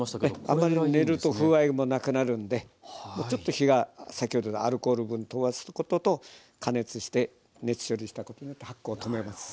あまり練ると風合いもなくなるんでアルコール分飛ばすことと加熱して熱処理したことによって発酵を止めます。